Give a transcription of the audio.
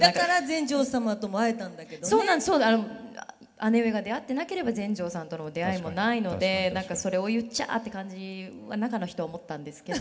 姉上が出会ってなければ全成さんとの出会いもないので何か「それを言っちゃあ」って感じは中の人は思ったんですけど。